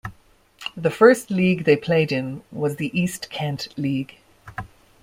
The first league they played in was the East Kent League.